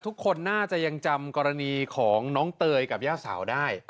ทุกคนน่าจะยังจำกรณีของน้องเตยกับย่าสาวได้